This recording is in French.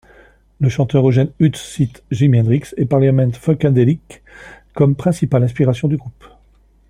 Le chanteur Eugene Hütz cite Jimi Hendrix et Parliament-Funkadelic comme principales inspirations du groupe.